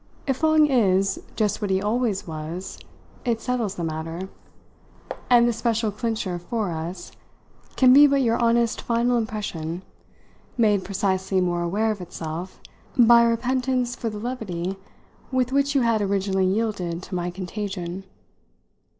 If Long is just what he always was it settles the matter, and the special clincher for us can be but your honest final impression, made precisely more aware of itself by repentance for the levity with which you had originally yielded to my contagion."